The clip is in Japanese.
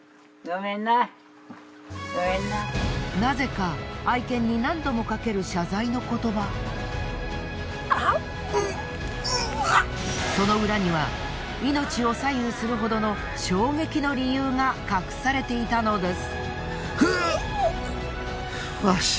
ナゼかその裏には命を左右するほどの衝撃の理由が隠されていたのです。